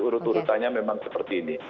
karena memang seperti ini